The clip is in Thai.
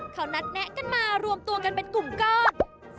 เขานัดแนะกันมารวมตัวกันเป็นกลุ่มก้อน